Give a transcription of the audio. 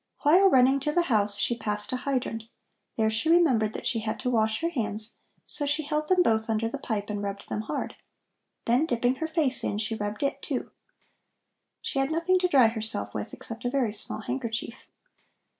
While running to the house, she passed a hydrant. There she remembered that she had to wash her hands, so she held them both under the pipe and rubbed them hard. Then dipping her face in, she rubbed it, too. She had nothing to dry herself with except a very small handkerchief.